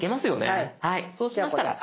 はいそうしましたら。